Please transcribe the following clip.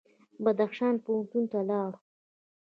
بدخشان پوهنتون ته لاړو.